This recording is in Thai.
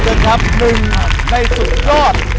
หนึ่งในสุดยอด